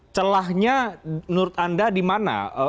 celahnya menurut anda di mana